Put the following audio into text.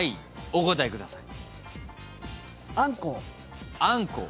お答えください。